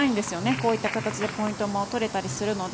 こういった形でポイント取れたりするので。